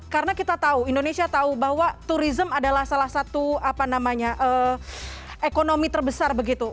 karena kita tahu indonesia tahu bahwa turisme adalah salah satu ekonomi terbesar begitu